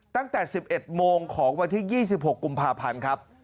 ตั้งแต่๑๑โมงของวันที่๒๖กุมภาพันธ์ครับ